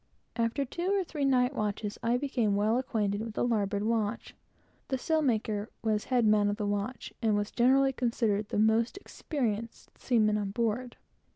After two or three night watches, I became quite well acquainted with all the larboard watch. The sailmaker was the head man of the watch, and was generally considered the most experienced seaman on board.